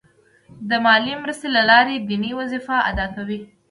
د مالي مرستې له لارې دیني وظیفه ادا کوي.